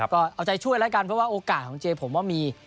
ก็เอาใจช่วยแล้วกันเพราะว่าโอกาสของเจผมว่ามี